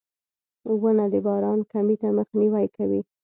• ونه د باران کمي ته مخنیوی کوي.